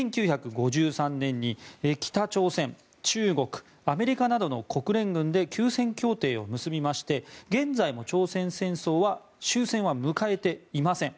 １９５３年に北朝鮮、中国アメリカなどの国連軍で休戦協定を結びまして現在も朝鮮戦争は終戦は迎えていません。